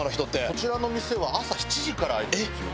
こちらの店は朝７時から開いてるんですよ。